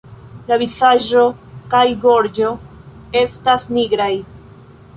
La vizaĝo kaj gorĝo estas nigraj.